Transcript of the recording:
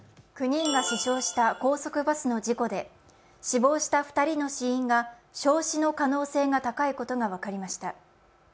９人が死傷した高速バスの事故で死亡した２人の死因が焼死の可能性が高いことが分かりました。